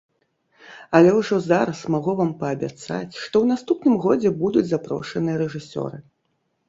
Але ўжо зараз магу вам паабяцаць, што ў наступным годзе будуць запрошаныя рэжысёры.